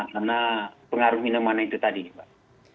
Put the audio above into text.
karena pengaruh minuman itu tadi mbak